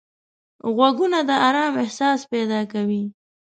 غوږونه د آرام احساس پیدا کوي